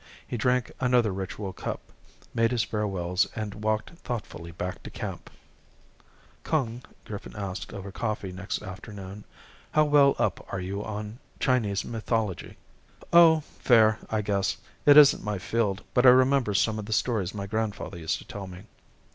He drank another ritual cup, made his farewells and walked thoughtfully back to camp. "Kung," Griffin asked over coffee next afternoon, "how well up are you on Chinese mythology?" "Oh, fair, I guess. It isn't my field but I remember some of the stories my grandfather used to tell me."